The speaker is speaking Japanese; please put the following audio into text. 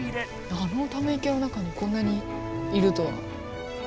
あのため池の中にこんなにいるとは。